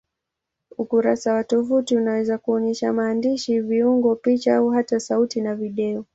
Ukurasa wa tovuti unaweza kuonyesha maandishi, viungo, picha au hata sauti na video.